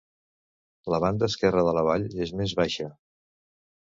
La banda esquerra de la vall és més baixa.